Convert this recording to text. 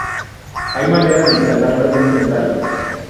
¿hay manera de instalarlo en un pendrive?